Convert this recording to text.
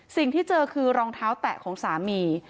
สิ่งที่เจอคือรองเท้าแตะของสามี